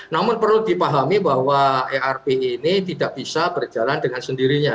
namun perlu dipahami bahwa erp ini tidak bisa berjalan dengan sendirinya